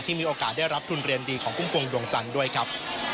มีโอกาสได้รับทุนเรียนดีของพุ่มพวงดวงจันทร์ด้วยครับ